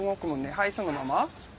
はいそのまま。